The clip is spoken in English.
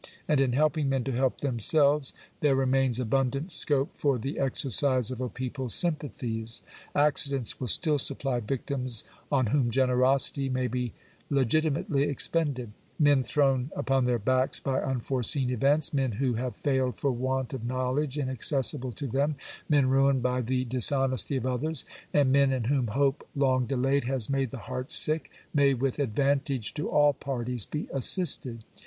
And in helping I Digitized byCjOOQ'lC 326 POOB LAW8. men to help themselves, there remains abundant scope for the exercise of a people's sympathies. Accidents will still supply victims on whom generosity may be legitimately expended, i Men thrown upon their backs by unforeseen events, men who have failed for want of knowledge inaccessible to them, men ruined by the dishonesty of others, and men in whom hope long delayed has made the heart sick, may, with advantage to all parties, be assisted.